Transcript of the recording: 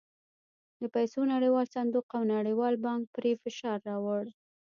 د پیسو نړیوال صندوق او نړیوال بانک پرې فشار راووړ.